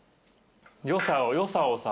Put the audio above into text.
良さをさ。